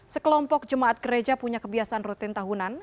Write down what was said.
sekelompok jemaat gereja punya kebiasaan rutin tahunan